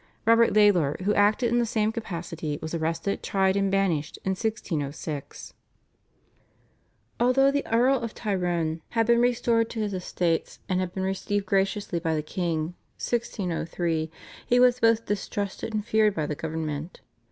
Robert Lalor who acted in the same capacity was arrested, tried, and banished in 1606. Although the Earl of Tyrone had been restored to his estates and had been received graciously by the king (1603), he was both distrusted and feared by the government.